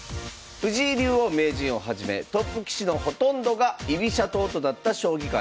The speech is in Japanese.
藤井竜王・名人をはじめトップ棋士のほとんどが居飛車党となった将棋界。